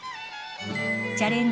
チャレンジ